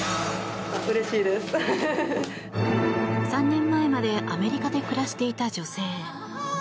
３年前までアメリカで暮らしていた女性。